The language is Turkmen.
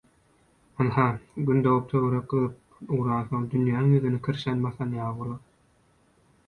Ynha, Gün dogup töwerek gyzyp ugransoň dünýäň ýüzüni kirşen basan ýaly bolar.